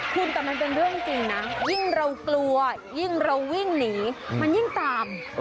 คุณแต่มันเป็นเรื่องจริงนะยิ่งเรากลัวยิ่งเราวิ่งหนีมันยิ่งตาม